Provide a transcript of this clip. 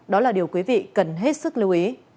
đó là điều quý vị cần hết sức lưu ý